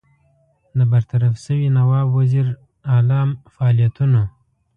د برطرفه سوي نواب وزیر علي فعالیتونو.